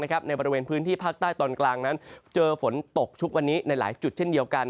ในบริเวณพื้นที่ภาคใต้ตอนกลางนั้นเจอฝนตกชุกวันนี้ในหลายจุดเช่นเดียวกัน